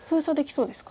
そうですね。